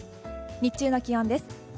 日中の気温です。